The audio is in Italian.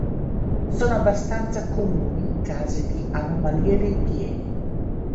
Sono abbastanza comuni casi di anomalie dei piedi.